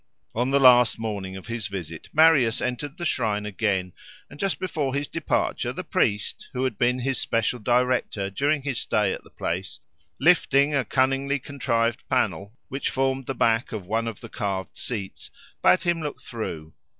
On the last morning of his visit Marius entered the shrine again, and just before his departure the priest, who had been his special director during his stay at the place, lifting a cunningly contrived panel, which formed the back of one of the carved seats, bade him look through.